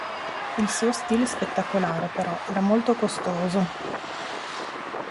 Il suo stile spettacolare, però, era molto costoso.